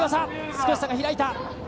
少し差が開いた。